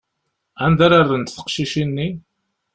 Anda ara rrent teqcicin-nni?